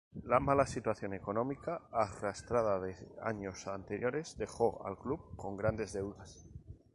La mala situación económica arrastrada de años anteriores, dejó al club con grandes deudas.